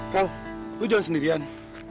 kal lu jalan sendirian